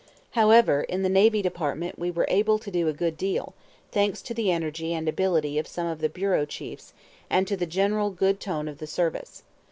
However, in the Navy Department we were able to do a good deal, thanks to the energy and ability of some of the bureau chiefs, and to the general good tone of the service.